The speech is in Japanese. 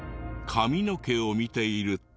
髪の毛を見ていると。